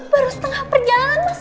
baru setengah perjalanan mas